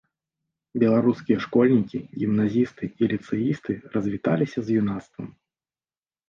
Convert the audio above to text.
Беларускія школьнікі, гімназісты і ліцэісты развіталіся з юнацтвам.